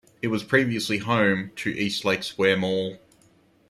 It was previously home to East Lake Square Mall.